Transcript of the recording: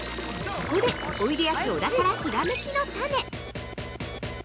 ◆ここで、おいでやす小田からひらめきのタネ！